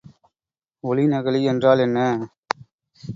ஒளிநகலி என்றால் என்ன?